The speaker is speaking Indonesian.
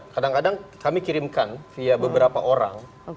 kadang kadang kami kirimkan via beberapa orang